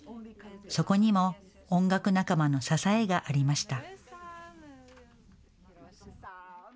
そこにも音楽仲間の支えがありました。